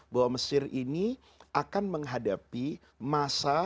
bahwa mesir ini akan menghadapi masa